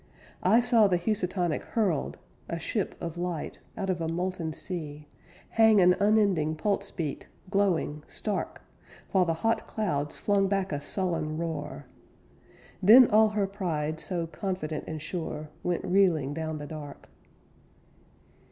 I saw the Housatonic hurled, A ship of light, Out of a molten sea, Hang an unending pulse beat, Glowing, stark; While the hot clouds flung back a sullen roar. Then all her pride, so confident and sure, Went reeling down the dark.